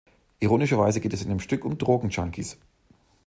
Ironischerweise geht es in dem Stück um Drogen-Junkies.